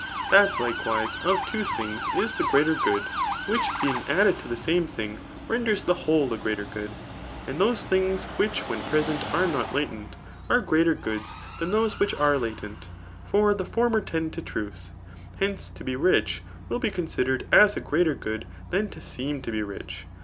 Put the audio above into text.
That, likewise^ of two: things is the greater good, which being added to the same thing renders the whole a greater good. . And those things which when present are not latent, are gi^ter goods than those which are latent ; for the former tend to truth. Hence, to be rich will be considered as a greater good than to seem to be rich.